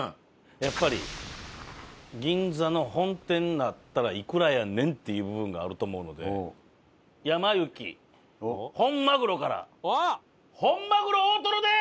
やっぱり銀座の本店だったらいくらやねんっていう部分があると思うのでやま幸本まぐろから本まぐろ大トロで！